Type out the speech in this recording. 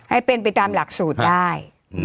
ให้เป็นไปตามหลักสูตรได้